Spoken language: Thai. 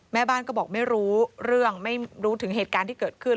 แม่บ้านก็บอกไม่รู้เรื่องไม่รู้ถึงเหตุการณ์ที่เกิดขึ้น